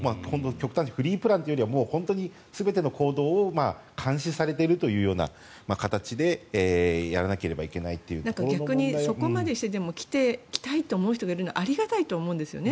極端に言うとフリープランというよりはもう本当に全ての行動を監視されているというような形で逆にそこまでしてでも来たいと思う人がいるのはありがたいと思うんです。